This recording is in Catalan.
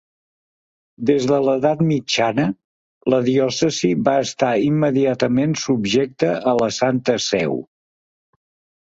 Des de l'edat mitjana, la diòcesi va estar immediatament subjecta a la Santa Seu.